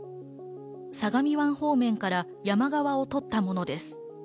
相模湾方面から山側を撮ったものです。